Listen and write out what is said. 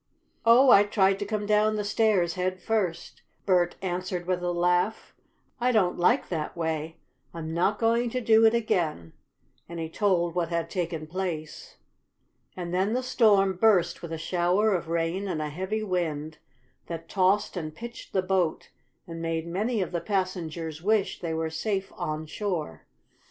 "Oh, I tried to come down the stairs head first," Bert answered with a laugh. "I don't like that way. I'm not going to do it again," and he told what had taken place. And then the storm burst with a shower of rain and a heavy wind that tossed and pitched the boat, and made many of the passengers wish they were safe on shore.